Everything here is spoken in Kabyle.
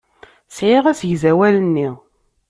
Sɛiɣ asegzawal-nni.